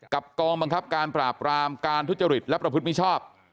กองบังคับการปราบรามการทุจริตและประพฤติมิชชอบ